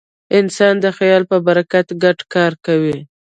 انسان د خیال په برکت ګډ کار کوي.